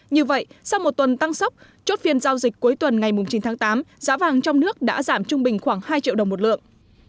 như vậy sau một tuần tăng sốc chốt phiên giao dịch cuối tuần ngày chín tháng tám giá vàng trong nước đã giảm trung bình khoảng hai triệu đồng một lượng